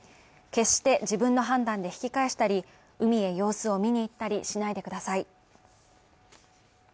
決して自分の判断で引き返したり、海へ様子を見に行ったりしないでください。